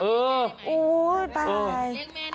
เรียกแม่ได้ไหม